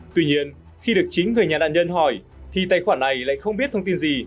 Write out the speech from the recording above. tuy nhiên khi được chính người nhà nạn nhân hỏi thì tài khoản này lại không biết thông tin gì